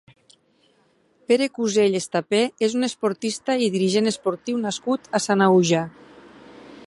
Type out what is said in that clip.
Pere Cusell Estapé és un esportista i dirigent esportiu nascut a Sanaüja.